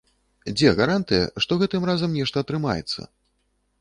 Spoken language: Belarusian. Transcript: Дзе гарантыя, што гэтым разам нешта атрымаецца?